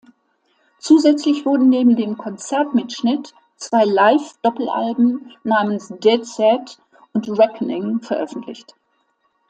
Zusätzlich wurden neben dem Konzertmitschnitt zwei Live-Doppelalben namens Dead Set und Reckoning veröffentlicht.